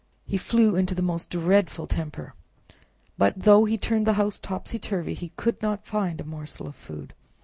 He flew into the most dreadful temper, but though he turned the house topsy turvy, he could not find a morsel of food.